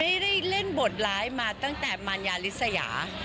ได้เล่นบทร้ายมาตั้งแต่มารยาลิสยา